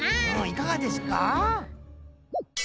いかがですか？